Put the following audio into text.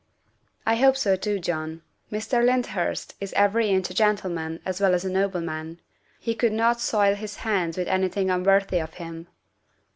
' I hope so too, John. Mr. Lyndhurst is every inch a gentleman as well as a nobleman. He could not soil his hands with anything unworthy of him."